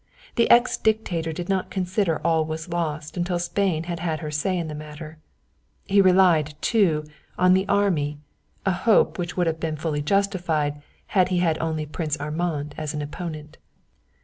The ex dictator did not consider all was lost until Spain had had her say in the matter; he relied, too, on the army, a hope which would have been fully justified had he had only Prince Armand as an opponent.